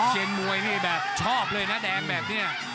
เช็นมวยนี้แบบชอบเลยนะแดงแบบเนี่ย